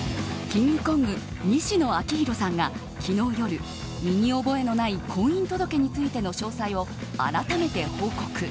キングコング西野亮廣さんが昨日夜身に覚えのない婚姻届についての詳細を改めて報告。